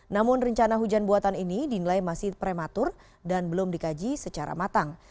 namun rencana hujan buatan ini dinilai masih prematur dan belum dikaji secara matang